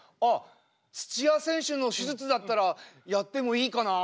土谷選手の手術だったらやってもいいかな。